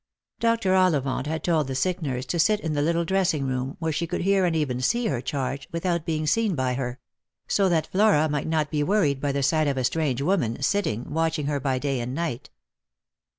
Dr. Ollivant had told the sick nurse to sit in the little dressing room, where she could hear and even see her charge, without being seen by her; so that Flora might not be worried by the sight of a strange woman sitting watching her by day and night.